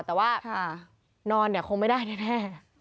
แต่ว่านอนคงไม่ได้แน่